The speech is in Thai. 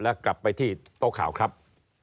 แล้วกลับไปที่โต๊ะข่าวครับ